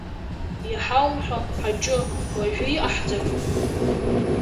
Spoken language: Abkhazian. Иҳаумҳәо, Ҳаџьы, уажәы иҟаҳҵари?